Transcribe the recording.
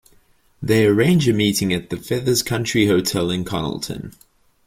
They arrange a meeting at The Feathers Country Hotel in Connelton.